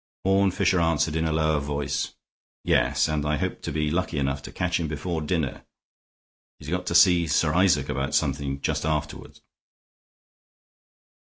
Horne Fisher answered, in a lower voice: "Yes; and I hope to be lucky enough to catch him before dinner. He's got to see Sir Isaac about something just afterward."